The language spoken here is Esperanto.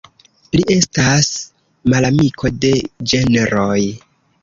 Li estas malamiko de ĝenroj.